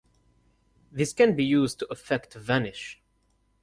This can be used to effect a vanish.